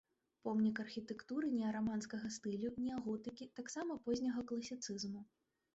Помнік архітэктуры неараманскага стылю, неаготыкі, таксама позняга класіцызму.